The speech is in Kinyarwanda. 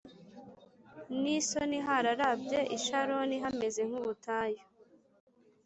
n isoni hararabye i Sharoni hameze nk ubutayu